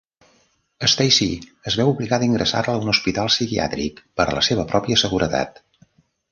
Stacey es veu obligada a ingressar-la a un hospital psiquiàtric per la seva pròpia seguretat.